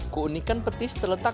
keunikan petis terlalu banyak